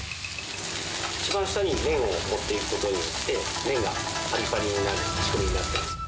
一番下に麺を持っていくことによって、麺がぱりぱりになる仕組みになっています。